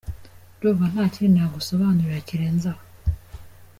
Ndumva nta kindi nagusobanurira kirenze aho”.